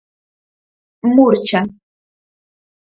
Murcha.